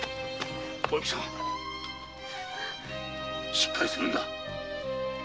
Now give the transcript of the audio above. しっかりするんだ。